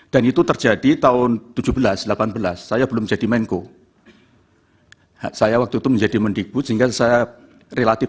dan itu terjadi tahun tujuh belas delapan belas saya belum jadi menko saya waktu menjadi mendibut sehingga saya relatif